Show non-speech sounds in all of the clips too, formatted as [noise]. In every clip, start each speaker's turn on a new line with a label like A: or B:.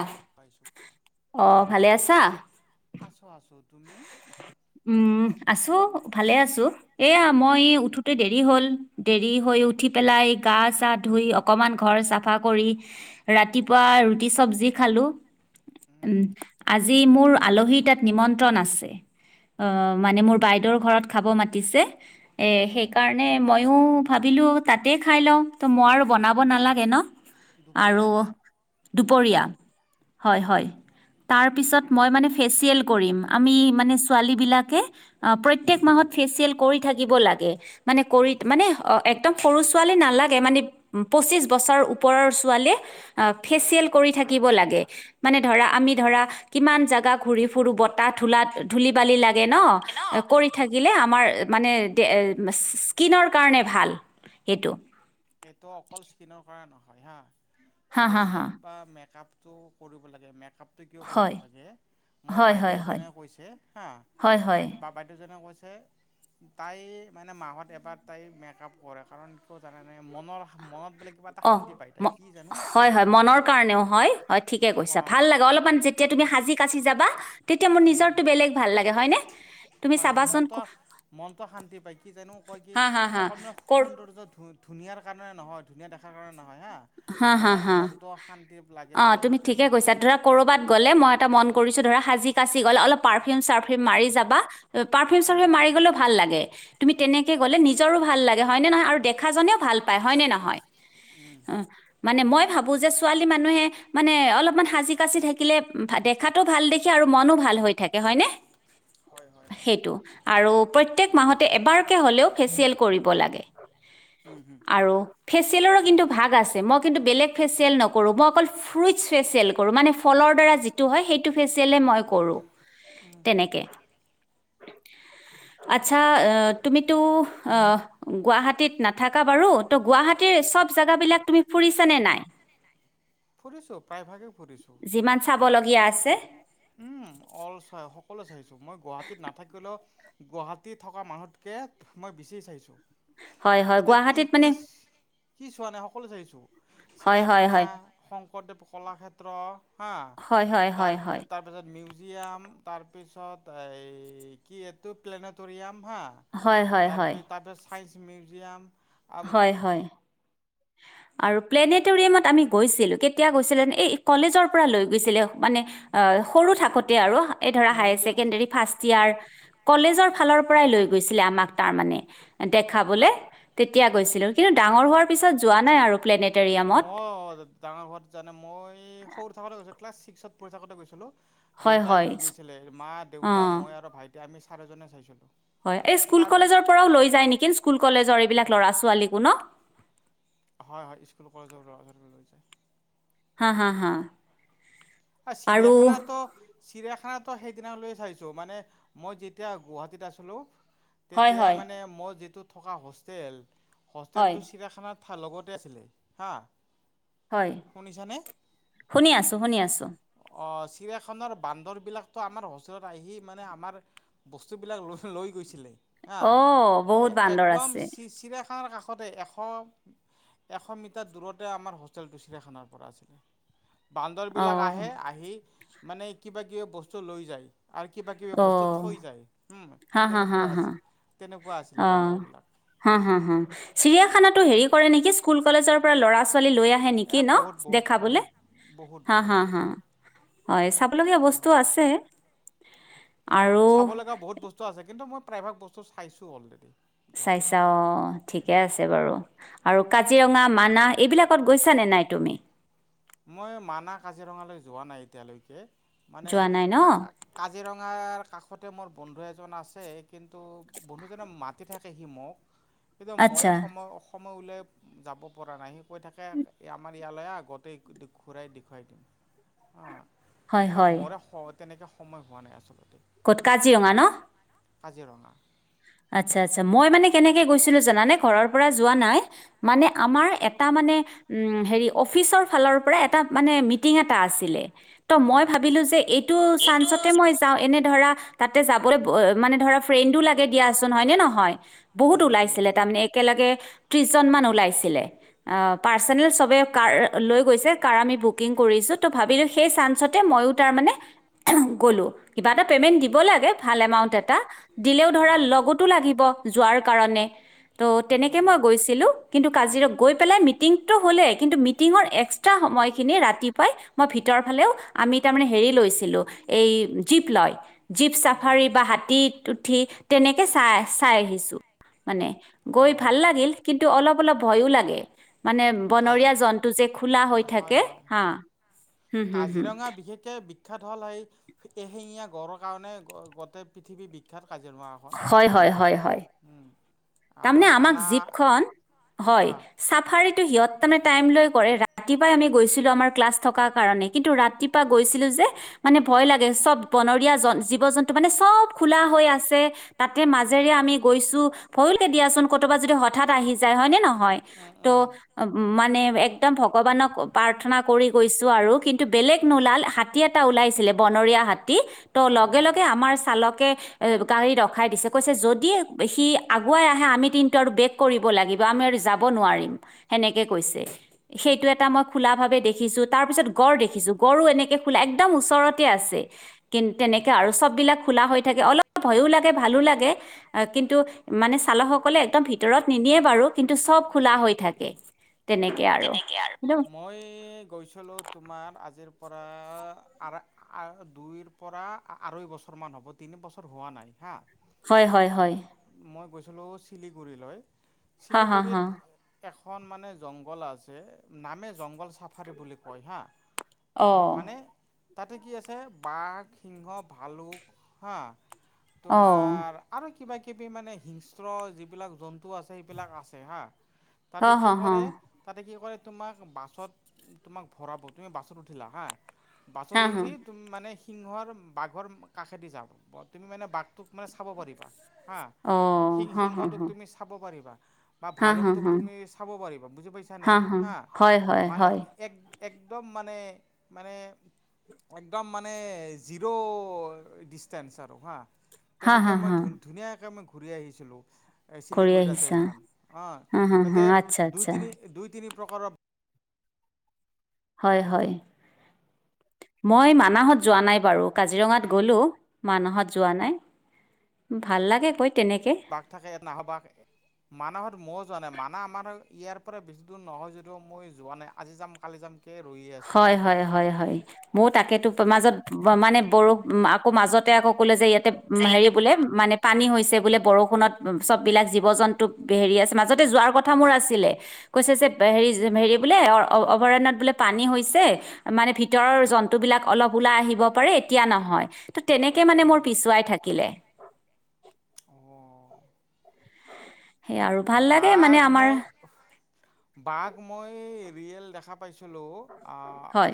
A: আহ
B: পাইছোঁ কোৱা।
A: আহ ভালে আছা?
B: আছো আছো তুমি
A: উম আছো ভালে আছো। এয়া মই
B: উম।
A: উঠোতে দেৰি হ'ল। দেৰি হৈ উঠি পেলাই গা চা ধুই অকমান ঘৰ চাফা কৰি ৰাতিপুৱা ৰুতি চব্জিত খালো উ,
B: উম
A: আজি মোৰ আলহিৰ তাত নিমন্ত্ৰণ ন আছে অ' মানে মোৰ বাইদেউৰ ঘৰত খাব মাতিছে এ
B: অ।
A: সেইকাৰণে ময়ো ভাবিলো তাতে খাই লওঁ ত মই আৰু বনাব নালাগে ন।
B: দুপৰীয়া
A: আৰু
B: না
A: দুপৰীয়া হয় হয়,
B: উম।
A: তাৰপিছত মই মানে ফেচিয়েল কৰিম। আমি মানে ছোৱালীবিলাকে অ প্ৰত্যয়েক মাহত ফেচিয়েল কৰি থাকিব লাগে। মানে কৰি
B: উম।
A: মানে একদম সৰু ছোৱালী নালাগে মানে পঁচিছ বছৰ ওপৰৰ ছোৱালীয়ে অ ফেচিয়েল কৰি থাকিব লাগে মানে ধৰা আমি ধৰা কিমান জোগা ঘুৰি ফুৰো বত থোলাত ধুলি বালি লাগে ন কৰি থাকিলে আমাৰ মানে দে এ ইছ ইছ স্কিনৰ কাৰণে ভাল সেইটো।
B: এইট অকল স্কিনৰ কৰা নহয় হা
A: হা হা হা
B: ফেচিয়েল বা মেকাপ টো কৰিব লাগে মেকাপ। তই কিয় কৰিব
A: হয়
B: লাগে, মই
A: হয় হয়
B: বাইদেউ
A: হয় হয়
B: এজনে কৈছে হা
A: হয়। হয়
B: বাইদেউ বাইদেউজনে কৈছ তাই মানে মাহত এবাৰ তাই মেকাপ কৰে কাৰণ কিয় জান মানে মনৰ মনত
A: অ
B: পায় তাই কি জানো হা
A: হয় ম হয় মনৰ কাৰণেও হয় হয় ঠিকে কৈছা
B: অঁ
A: ভাল লাগে অলপমান যেতিয়া তুমি সাজি কাচি যাবা তেতিয়া মোৰ নিজৰটো বেলেগ ভাল লাগে হয় নে?
B: হয় হয় মনট মনট শান্তি পায় কি জানো কয় কি
A: হা হা হা
B: অকনমানানে
A: কৰ
B: সুন্দৰ্য্য ধু ধু ধুনীয়াৰ কাৰণে নহয় ধুনীয়া দেখাৰ কাৰণে নহয় হা।
A: হা হা
B: মনত
A: হা
B: মনটো শান্তি লাগে
A: অ
B: বোলে
A: তুমি ঠিকে
B: সেইকাৰণে
A: কৈছা ধৰা কৰ'বাত গ'লে মই এটা মন কৰিছো ধৰা সাজি কাচি গ'লে অলপ পাৰফিউম চাৰফিউ মাৰি যা পাৰফিউম চাৰফিউ মাৰি গ'লেও ভাল লাগে। তুমি তেনেকে গ'লে নিজৰো ভাল লাগে হয় নে নহয় আৰু দেখাজনেও ভাল পায় হয় নে নহয়?
B: উম,
A: অ মানে মই ভাবো যে ছোৱালী মানুহে মানে অলপমান সাজি কাচি থাকিলে দেখাটো ভাল দেখ আৰু মনো ভাল হৈ থাকে হয়নে?
B: হয় হয় হয়
A: সেইটো আৰু প্ৰত্যয়েক মাহতে এবাৰকে হ'লেও ফেচিয়েল কৰিব লাগে
B: উম, হুম, হুম,
A: আৰু ফেচিয়েলৰো কিন্তু ভাগ আছে মই কিন্তু বেলেগ ফেচিয়েল নকৰোঁ মই অকল ফ্ৰুট-ফেচিয়েল কৰো ফলৰ দ্বাৰা যিত টো হয় সেইটো ফেচিয়লে মই কৰো,
B: উম।
A: তেনেকে। আচ্ছা, আহ, তুমিতো, আহ, গুৱাহাটীত নাথাকা বাৰু ত' গুৱাহাটীৰ চব জোগাবিলাক তুমি ফুৰিছা নে নাই?
B: ফুৰিছোঁ, প্ৰায় ভাগেই ফুৰিছোঁ।
A: যিমান চাবলগীয়া আছে
B: উম, অ'ল চাই সকলো চাইছো, মই গুৱাহাটীত নাথাকিলেওঁ গুৱাহাটী থকা মানুহকে, মই বেছি চাইছোঁ।
A: হয় হয়,
B: তাতে কি
A: গুৱাহাটীত মানে
B: কি কি চোৱা নাই, সকলোৱে চাইছোঁ,
A: হয় হয়
B: চিৰিয়াখানা,
A: হয়
B: শংকৰদেৱ কলাক্ষেত্ৰ হা
A: হয়, হয়,
B: তাৰ
A: হয়, হয়।
B: তাৰপিছত মিউজিয়াম, তাৰপিছত, এই কি এইটো প্লেনেটৰিয়াম হা,
A: হয় হয়
B: তাৰপ
A: হয়
B: তাৰপিছত চাইেন্ঞ্চ মিউজিয়াম।
A: হয়, হয়। [inaudible] আৰু প্লেনেটৰিয়ামত আমি গৈছিলো, কেতিয়া গৈছিল, এই কলেজৰ পৰা লৈ গৈছিল, মানে সৰু থাকোঁতেই আৰু, এই ধৰা
B: মন্দিৰ
A: হাইচেকেনদ্ৰেৰি ফাট ইয়াৰ, কলেজৰ ফালৰ পৰাই লৈ গৈছিলে আমাক তাৰমানে দেখাবলে, তেতিয়া গৈছিলো, কিন্তু ডাঙৰ হোৱাৰ পিছত যোৱা নাই আৰু, প্লেনেট
B: মই অ', ডাঙৰ ঘৰত জানে, মই সৰু থাকোতে গৈছো ক্লাছ ছিক্সত পঢ়ি থাকোতে গৈছিলো।
A: হয়
B: দেউতাই
A: হয়
B: লৈ গৈছিলে, মা, দেউতা,
A: অঁ
B: মই, আৰু ভাইটি আমি চাৰিজনে চাইছিলোঁ।
A: হয়, এই স্কুল
B: তাৰপিছত
A: কলেজৰ পৰাঁও লৈ যায় নেকি, স্কুল কলেজৰ এইবিলাক ল'ৰা ছোৱালীকো ন?
B: হয় হয়, স্কুল কলেজৰ ল'ৰা লৈ যায়।
A: হা, হা, হা।
B: এ
A: আৰু
B: চিৰিয়াখানাটো, চিৰিয়াখানা ত', সেইদিনা লৈ চাইছো, মানে, মই যেতিয়া গুৱাহাটীত আছিলো।
A: হয়
B: তেতিয়া
A: হয়
B: মানে মই যিটো থকা হোষ্টেল
A: হয়
B: হোষ্টেলটো চিৰাখানাত লগতে আছিলে হা।
A: হয়,
B: শুনিছানে?
A: শুনি আছো শুনি আছো।
B: অ', চিৰিয়াখানাৰ বান্দৰবিলাকতো আমাৰ হোষ্টেলত আহি মানে আমাৰ বস্তুবিলাক লৈ লৈ গৈছিলে। হা
A: অ বহুত
B: এ
A: বান্দৰ
B: একদম
A: আছে
B: চি-চিৰাখানাৰ কাষতে এশ এশ মিটাৰ দূৰতে আমাৰ হোষ্টেলটো চিৰিয়াখানাৰ পৰা আছিলে।
A: অ
B: বিলাক আহে আহি মানে কিবা কিবি বস্তু লৈ যায়। আৰু কিবা কিবি
A: অ
B: বস্তু থৈ যায়, হম
A: হা হা হা
B: তেনেকুৱা
A: হা
B: আছে। তেনেকুৱা আছিলে
A: অ',
B: বান্দৰবিলাক
A: হা হা হা, চিৰিয়াখানাত হেৰি কৰে নেকি স্কুল কলেজৰ পৰা ল'ৰা ছোৱালী লৈ আহে নেকি
B: এ
A: ন',
B: বহুত বহুত
A: দেখাবলে?
B: বহুত বহুত
A: হা
B: বহুত
A: হা হা হয় চাবলগীয়া
B: বহুত
A: বস্তু আছে। আৰু
B: চাব লগা বহুত বস্তু আছে কিন্তু মই প্ৰায়ভাগ বস্তু চাইছো অলৰেডি।
A: চাইছা
B: গুৱাহাটীৰ
A: অ ঠিকে আছে বাৰু আৰু কাজিৰঙা মানাহ এইবিলাকত গৈছা নে নাই তুমি?
B: মই মানাহ কাজিৰঙালৈ যোৱা নাই এতিয়ালৈকে। মানে
A: যোৱা নাই ন
B: ক কাজিৰঙাৰ কাষতে মোৰ বন্ধু এজন আছে কিন্তু বন্ধুজনে মাতি থাকে সি মোক কিন্তু মই
A: আচ্ছা
B: সময় অসময় উলাই যাব পৰা নাই সি কৈ থাকে আমাৰ ইয়ালৈ আহ গতেই ঘূৰাই দেখাই দিম,
A: হয় হয়
B: [unintelligible] তেনেকৈ সময় হোৱা নাই আচলতে
A: ক'ত কাজিৰঙা ন'?
B: কাজিৰঙা।
A: আচ্ছা আচ্ছা মই মানে কেনেকে গৈছিলো জানানে ঘৰৰ পৰা যোৱা নাই মানে আমাৰ এটা মানে উ হে অফিচৰ ফালৰ পৰা এ মানে মিটিং এটা আছিলে ত মই
B: উম
A: ভাবিলো যে এইটো চান্সতে মই যাওঁ এনে ধৰা তাতে যাবলৈ মানে ধৰা ফ্ৰেণ্ডো লাগে। দিয়াচোন হয়নে নহয় বহুত
B: উম হুম হুম
A: ওলাইছিলে
B: হুম
A: তাৰমানে একেলগে ত্ৰিশজন মান ওলাইছিলে পাৰ্চনেল চবে কাৰ লৈ গৈছে কাৰ আমি বুকিং কৰিছো ত ভাবিলো সেই চান্সতে ময়ো তাৰমানে গ'লো, কিবা এটা পেমেণ্ট দিব লাগে ভাল এমাউণ্ট এটা। ধৰা
B: উম
A: লগতো লাগিব যোৱাৰ কাৰণে ত'
B: উম
A: তেনেকে
B: উম
A: মই গৈছিলো, কিন্তু কাজিৰ গৈ পেলাই মিটিংতটো হ'লেই কিন্তু মিটিঙৰ এক্সট্ৰা সময়খিনি ৰাতিপুৱাই মই ভিতৰৰ ফালেও আমি তাৰমানে হেৰি লৈছিলোঁ এই জীপ লয় জীপ
B: উম
A: চাফাৰী বা হাতীত উঠি তেনেকে চাই চাই আহিছো। মানে
B: অ
A: গৈ ভাল লাগিল, কিন্তু অলপ অলপ ভয়ো লাগে মানে
B: কাজি
A: বনৰীয়া জন্তু যে খোলা হৈ
B: হয়
A: থাকে,
B: হয়
A: হা হুম হুম হুম
B: কাজিৰঙা বিশেষকে বিখ্যাত হ'ল সেই এশিঙীয়া গড়ৰ কাৰণে গোটেই পৃথিৱী বিখ্যাত কাজিৰঙা এখন,
A: হয়
B: হম
A: হয় হয় হয়
B: উম। আৰু
A: তাৰমানে আমাক
B: মানা
A: জীপখন হয়
B: হা
A: চাফাৰীটো সিহঁত তে টাইম লৈ কৰে ৰাতিপুৱাই আমি গৈছিলো আমাৰ ক্লাছ থকা কাৰণে কিন্তু ৰাতিপুৱা গৈছিলো যে মানে ভয় লাগে চব বনৰীয়া জ জীৱ জন্তু মানে চব খোলা হৈ আছে তাতে মাজেৰে আমি গৈছো ভৰিুলকে দিয়াচোন কৰতোবাত যদি হঠাৎ আহি যায় হয়নেে নহয়
B: উম,
A: ত'
B: উম।
A: মানে একদম ভগৱানক প্ৰাৰ্থনা কৰি গৈছো আৰু কিন্তু বেলেগ নোলাল হাতী এটা ওলাইছিলে বনৰীয়া হাতী ত' লগে লগে
B: হাতী
A: আমাৰ চালকে এ গাড়ী ৰখাই দিছে কৈছে যদি সি আগুৱাই আহে আমি কিন্তু আৰু বেক কৰিব লাগিব যাব নোৱাৰিম, সেনেকে কৈছে। সেইটো এটা মই খোলাভাৱে দেখিছোঁ তাৰপিছ গড় দেখিছো গড়ো এনেকৈ খোলা একদম ওচৰত আছে কিন্ত তেনেকে আৰু চব বিলাক খোলা হৈ থাকে অলপ ভয়ো লাগে ভালো লাগে কিন্তু মানে চালকসকলে একদম ভিতৰত নিদিয়ে বাৰু কিন্তু চব খোলা হৈ থাকে তেনেকে আৰু
B: গৈছিলো তোমাৰ আজিৰ পৰা দুইৰ পৰা আঢ়ৈ বছৰমান হ'ব, তিনি বছৰ হোৱা নাই হা
A: হয় হয় হয়
B: লো চিলিগুৰিলৈ,
A: হা হা
B: শিলিগুৰিত
A: হা
B: এশ এখন মানে জংঘল আছে নামে জংঘল চাফাৰী বুলি কয় হা। হয় মানে
A: অহ।
B: তাতে কি আছে বাঘ সিংহ ভালুক হা।
A: অ
B: তোমাৰ আৰু কিবা কিবি মানে হিংস্ৰ যিবিলাক জন্তু আছে সেইবিলাক আছে হা।
A: হ
B: তাতে কি
A: হ হ
B: কৰে তাতে কি কৰে তোমাক বাছত তোমাক ভৰাব তুমি বাছত উঠিলা হা বাছত
A: হা হা
B: উঠি ত মানে সিংহৰ বাঘৰ কাষেদি যাম তুমি মানে বাঘটোক মানে চাব পাৰিবা হা
A: অ
B: সি
A: হা হা হা
B: সিংহটোক তুমি চাব পাৰিবা বা
A: হা হা
B: ভালুকতোক
A: হা
B: তুমি চাব পাৰিবা বুজি পাইছানে হা
A: হয় হয়
B: মানে
A: হয়
B: এক একদম মানে মানে, একদম মানে মানে জিৰো ডিচটেন্স আৰু হা,
A: হা
B: তেনেকে
A: হা
B: মই
A: হা
B: ধুন ধুনীয়াকে মই ঘূৰি আহিছিলোঁ। এই
A: কৰি
B: চিলিগুৰিত আছে
A: আহিছা
B: এইখন, অ
A: হা হা হা
B: তাতে
A: আচ্ছা
B: দুই
A: আচ্ছা
B: তিনি দুই তিনি প্ৰকাৰৰ
A: হয় হয়। মই মানাহত যোৱা নাই বাৰু কাজিৰঙাত গ'লো মানাহত যোৱা নাই। ভাল লাগে গৈ। তেনেকে
B: বাঘ থাকে [unintelligible] নাহবঘ মানাহত ময়ো যোৱা নাই মানাহ আমাৰ ইয়াৰ পৰা বেছি দূৰ নহয় যদিও, মই যোৱা নাই, আজি যাম, কালি যাম
A: হয়, হয়, হয়, হয়, ময়ো তাকেতো,
B: ওচৰ
A: মাজত মানে বৰষ আকৌ মাজত তে, আকৌ ক'লে যে, ইয়াতে হেৰি বোলে মানে পানী হৈছে। বোলে বৰষূণত চববিলাক জীৱ-জন্তু হেৰি আছে, মাজতে যোৱা কথা মোৰ আছিলে, কৈছে যে হেৰি- হেৰি বোলে অ অভয়াৰণ্যত বোলে পানী হৈছে, মানে ভিতৰৰ জন্তু বিলাক অলপ ওলাই আহিব পাৰে, এতিয়া নহয়। ত, তেনেকে মানে মোৰ পিছুৱাই থাকিলে।
B: অঁ
A: সেয়া আৰু ভাল লাগে মানে
B: বাঘ
A: আমাৰ
B: মই, বাঘ মই ৰিয়েল দেখা পাইছিলোঁ। অহ।
A: হয়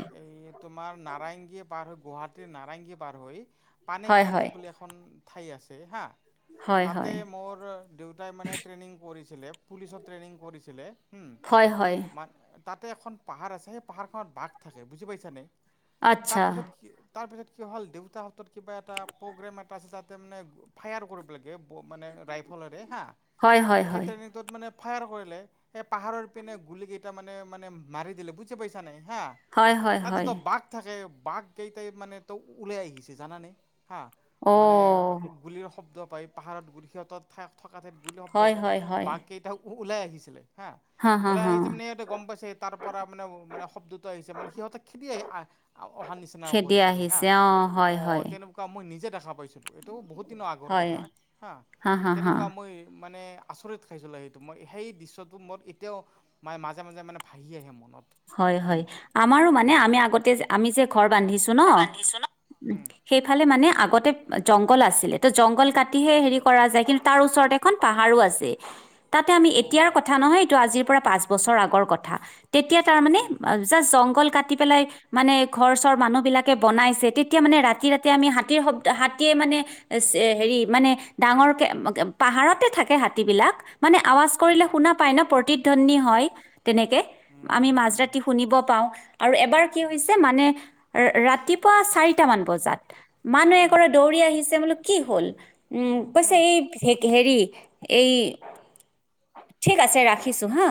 B: তোমাৰ নাৰেংগী পাৰ হৈ, গুৱাহাটীৰ নাৰেংগী পাৰ হৈ পানী
A: হয়
B: খাইটি
A: হয়
B: বুলি এখন ঠাই আছে হা,
A: হয়
B: তাতে
A: হয়
B: মোৰ দেউতাই মানে ট্ৰেইনিং কৰিছিলে, পুলিচৰ ট্ৰেইনিং কৰিছিলে। হুম
A: হয়, হয়।
B: মান তাতে এখন পাহাৰ আছিলে, সেই পাহাৰখনত বাঘ থাকে, বুজি পাইছানে!
A: আচ্ছা
B: তাৰপিছত কি তাৰপিছত কি হ'ল, দেউতাহঁতৰ কিবা এটা প্ৰগ্ৰেম এটা আছে, তাতে মানে ফায়াৰ কৰিব লাগে মানে ৰাইফলৰে।
A: হয়, হয়।
B: সেই
A: হয়
B: ট্ৰেইনিংটোত মানে ফায়াৰ কৰিলে, সেই পাহাৰৰ পিনে গুলি কেইটা মানে- মানে মাৰি দিলে, বুজি পাইছা নে! হা,
A: হয় হয় হয়
B: তাতেতো বাঘ থাকে, বাঘ কেইটাই মানে ত ওলাই আহি গৈছে, জানানে! হাঁ, মানে
A: অ'
B: গুলিৰ শব্দ পায়, পাহাৰত গুলি সিহঁতৰ থকা ঠাইত গুলিৰ শব্দ
A: হয়
B: পায়
A: হয় হয়
B: বাঘ কেইটা ওলাই আহিছিলে, হা!
A: হা
B: ওলাই
A: হা
B: আহিছে মানে সিহঁতে গম পাইছে, তাৰ পৰা মানে- মানে শব্দটো আহিছে, মানে সিহতে খেদি আহ অহা
A: খেদি আহিছে অ'। হয় হয়
B: অ' তেনেকুৱা মই নিজে দেখা না দেখা পাইছিলো এইটোও বহুত দিনৰ আগৰ
A: হয়
B: কথা হা
A: হা হা
B: তেনেকুৱা মই মানে আচৰিত খাইছিলো সেইটো মই সেই দৃশ্যটো মোৰ এতিয়াও মানে মাজে মাজে মানে ভাহি আহে মোৰ।
A: হয়-হয়, আমাৰো মানে আমি আগতে আমি যে ঘৰ বান্ধিছো ন'
B: উম।
A: সেইফালে মানে আগত তে জংঘল আছিলে ত' জংঘল কাটিহে হেৰি কৰা যায় কিন্তু তাৰ ওচৰত এখন পাহাৰো আছে। তাতে আমি এতিয়াৰ
B: অ'।
A: কথা নহয়। এইটো আজিৰ পৰা পাঁচ বছৰ আগৰ কথা। তেতিয়া তাৰ মানে
B: উম,
A: জাষ্ট জংঘল কাটি কাতি পেলাই মানে ঘৰ-চৰ মানুহ বিলাকে বনাইছে। তেতিয়া মানে ৰাতি, ৰাতি আমি হাতীৰ শব্দ হাতীয়ে মানে মানে হেৰি মানে ডাঙৰকে পাহাৰতে থাকে হাতী বিলাক। মানে আৱাজ কৰিলে
B: উম,
A: শুনা পায় ন' প্ৰতিধ্বনি হয় তেনেকে। আমি
B: উম,
A: মাজ
B: উম,
A: ৰাতি শুনিব পাওঁ আৰু এবাৰ কি
B: উম,
A: হৈছে মানে ৰাতিপুৱা চাৰিটা মান বজাত মানুহ
B: উম,
A: এঘৰে দৌৰি আহিছে বোলো কি হ'ল উম কৈছে এই হেৰি এই ঠিক আছে ৰাখিছো হা।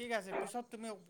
B: ঠিক আছে পিছত তুমি।